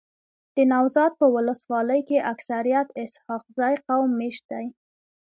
دنوزاد په ولسوالۍ کي اکثريت اسحق زی قوم میشت دی.